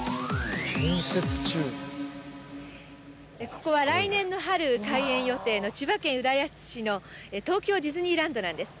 ここは来年の春開園予定の千葉県浦安市の東京ディズニーランドなんです